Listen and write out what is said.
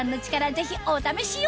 ぜひお試しを！